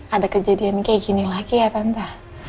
ada kejadian kayak gini lagi ya pantas